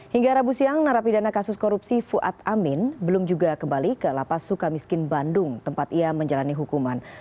hingga rabu siang narapidana kasus korupsi fuad amin belum juga kembali ke lapas suka miskin bandung tempat ia menjalani hukuman